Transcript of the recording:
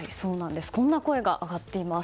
こんな声が上がっています。